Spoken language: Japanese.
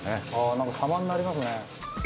「なんか様になりますね」